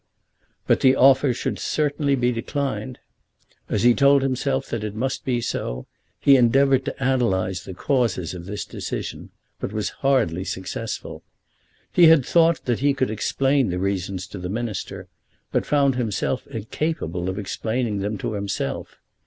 But the offer should certainly be declined. As he told himself that it must be so, he endeavoured to analyse the causes of this decision, but was hardly successful. He had thought that he could explain the reasons to the Minister, but found himself incapable of explaining them to himself.